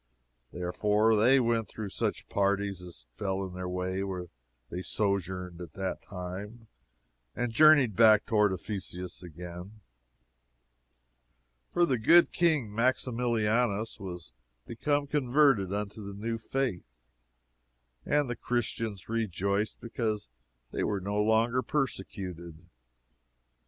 Therefore they went through such parties as fell in their way where they sojourned at that time, and journeyed back toward Ephesus again. For the good King Maximilianus was become converted unto the new faith, and the Christians rejoiced because they were no longer persecuted.